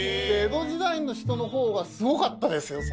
江戸時代の人の方がすごかったです